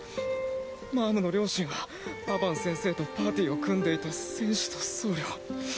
マァムの両親はアバン先生とパーティーを組んでいた戦士と僧侶。